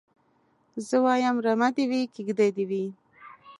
زه وايم رمه دي وي کيږدۍ دي وي